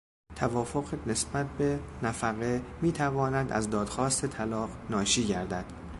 توافق نسبت به نفقه میتواند از دادخواست طلاق ناشی گردد.